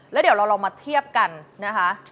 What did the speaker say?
แล้วเดี๋ยวเราลองมาเทียบกันนะคะ